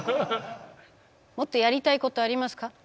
もっとやりたいことありますか？